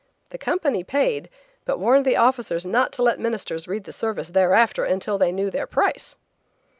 The company paid, but warned the officers not to let ministers read the service thereafter until they knew their price.